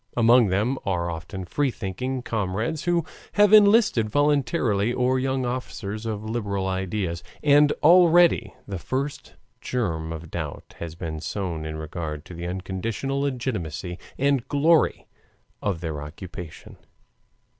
Among them are often free thinking comrades who have enlisted voluntarily or young officers of liberal ideas, and already the first germ of doubt has been sown in regard to the unconditional legitimacy and glory of their occupation.